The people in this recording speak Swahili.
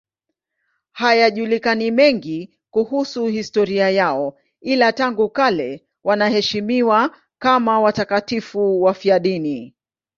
Hayajulikani mengine kuhusu historia yao, ila tangu kale wanaheshimiwa kama watakatifu wafiadini.